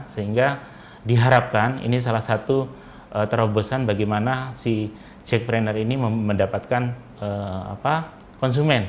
sehingga diharapkan ini salah satu terobosan bagaimana si jackpreneur ini mendapatkan konsumen